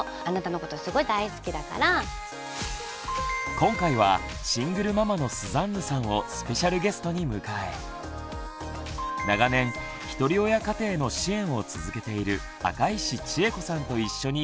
今回はシングルママのスザンヌさんをスペシャルゲストに迎え長年ひとり親家庭の支援を続けている赤石千衣子さんと一緒に考えます。